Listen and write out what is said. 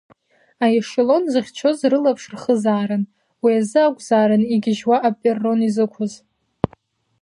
Аешелон зыхьчоз рылаԥш рхызаарын, уи азы акәзаарын игьежьуа аперрон изықәыз.